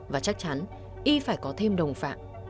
và chắc chắn y phải có thêm đồng phạm